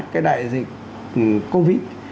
cái đại dịch covid